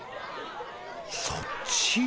そっち。